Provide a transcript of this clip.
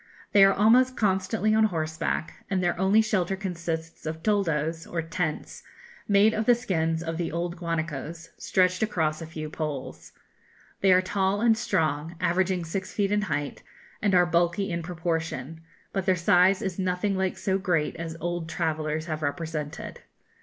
They are almost constantly on horseback, and their only shelter consists of toldos, or tents, made of the skins of the old guanacos, stretched across a few poles. They are tall and strong, averaging six feet in height, and are bulky in proportion; but their size is nothing like so great as old travellers have represented.